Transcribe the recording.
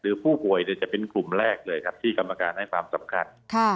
ผู้ป่วยจะเป็นกลุ่มแรกเลยครับที่กรรมการให้ความสำคัญ